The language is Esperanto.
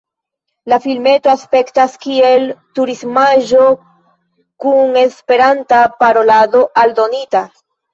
La filmeto aspektas kiel turismaĵo kun esperanta parolado aldonita.